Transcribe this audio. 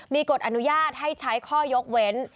มีกฎอนุญาตให้ใช้ข้อยกเว้น